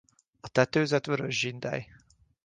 A tetőzet vörös zsindely.